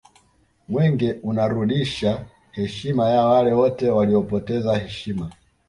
mwenge unarudisha heshima ya wale wote waliopoteza heshima